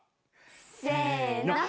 せの！